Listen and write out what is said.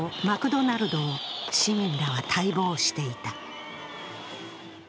マクドナルドを市民らは待望していた。